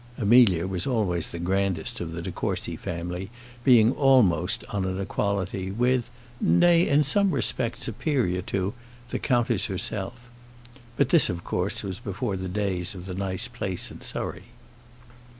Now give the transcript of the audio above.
Amelia was always the grandest of the de Courcy family, being almost on an equality with nay, in some respect superior to the countess herself. But this, of course, was before the days of the nice place in Surrey.